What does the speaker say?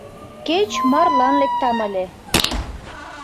Кеч марлан лектам ыле.